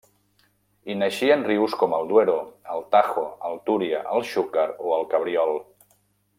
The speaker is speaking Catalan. Hi naixen rius com el Duero, el Tajo, el Túria, el Xúquer o el Cabriol.